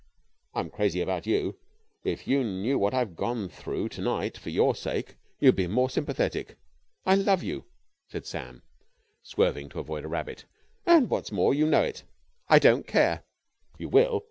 "I'm crazy about you. If you knew what I've gone through to night for your sake you'd be more sympathetic. I love you," said Sam swerving to avoid a rabbit. "And what's more, you know it." "I don't care." "You will!"